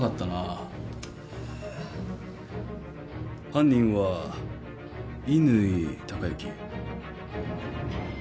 犯人は乾貴之？